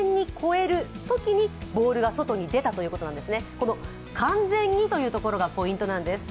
この「完全に」というところがポイントなんです。